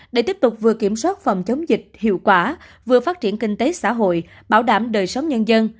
để tiếp tục vừa kiểm soát phòng chống dịch hiệu quả vừa phát triển kinh tế xã hội bảo đảm đời sống nhân dân